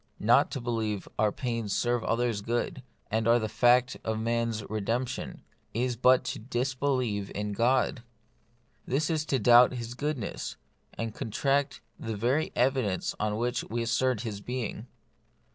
Not to believe our pains serve others' good, and are the fact of man's re demption, is but to disbelieve in God. It is to doubt His goodness, and contradict the very evidence on which we assert His being.